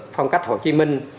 phong cách hồ chí minh